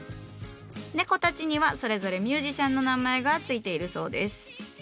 猫たちにはそれぞれミュージシャンの名前が付いているそうです。